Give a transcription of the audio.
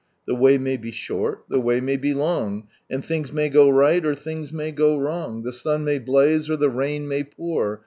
The way may be short, the way may be long, And things may go right, or things may go wrong, The sun may blaze, or the rain may pour.